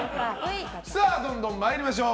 どんどん参りましょう。